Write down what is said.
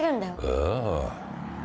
ああ。